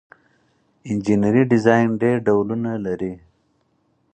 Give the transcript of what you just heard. انجنیری ډیزاین ډیر ډولونه لري.